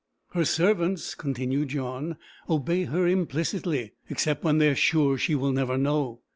"Her servants," continued John, "obey her implicitly, except when they are sure she will never know.